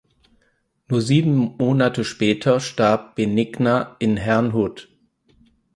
Nur sieben Monate später starb Benigna in Herrnhut.